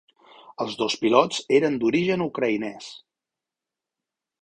Els dos pilots eren d'origen ucraïnès.